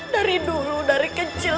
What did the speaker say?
dari dulu dari kecil